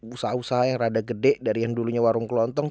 usaha usaha yang rada gede dari yang dulunya warung kelontong